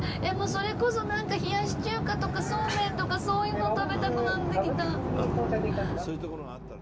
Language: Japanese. それこそなんか冷やし中華とかそうめんとかそういうの食べたくなってきた。